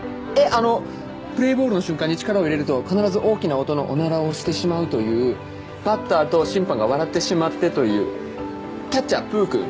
あのプレーボールの瞬間に力を入れると必ず大きな音のおならをしてしまうというバッターと審判が笑ってしまってというキャッチャーぷーくん？